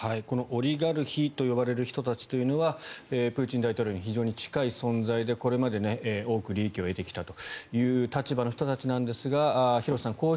このオリガルヒと呼ばれる人たちというのはプーチン大統領に非常に近い存在でこれまで多く利益を得てきたという立場の人たちですが廣瀬さん